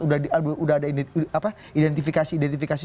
udah ada identifikasi